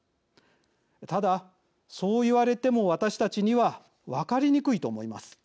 ただ、そう言われても私たちには分かりにくいと思います。